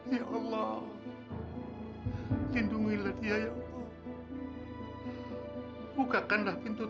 saya akan mem enjoyable dapur